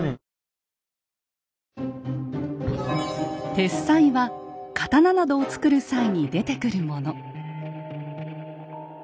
鉄滓は刀などを作る際に出てくるもの。